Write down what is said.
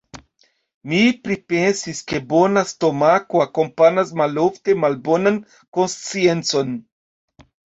Mi pripensis, ke bona stomako akompanas malofte malbonan konsciencon.